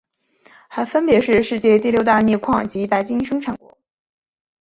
还分别是世界第六大镍矿及白金生产国。